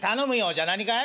「じゃあ何かい？